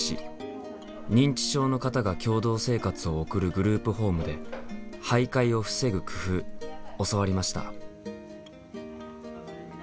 認知症の方が共同生活を送るグループホームで徘徊を防ぐ工夫教わりました。